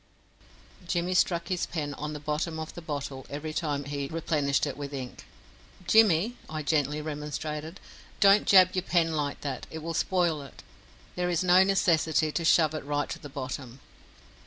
Jimmy struck his pen on the bottom of the bottle every time he replenished it with ink. "Jimmy," I gently remonstrated, "don't jab your pen like that it will spoil it. There is no necessity to shove it right to the bottom."